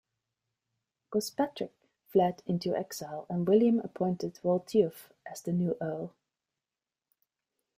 Gospatric fled into exile and William appointed Waltheof as the new earl.